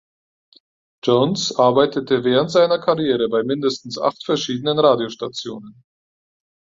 Jones arbeitete während seiner Karriere bei mindestens acht verschiedenen Radiostationen.